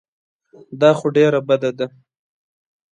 دا خو ډېره بده ده.